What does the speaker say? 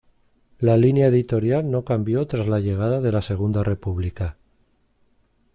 La línea editorial no cambió tras la llegada de la Segunda República.